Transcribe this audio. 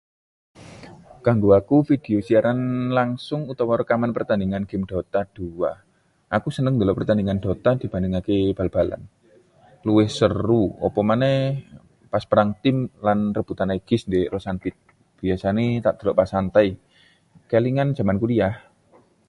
Kanggo aku, video siaran langsung utawa rekaman pertandingan game Dota 2. Aku seneng ndelok pertandingan dota dibandingake bal-balan, luwih seru opo maneh pas perang tim lan rebutan aegis ndik roshan pit. Biasané tak delok pas santai, kelingan jaman kuliah.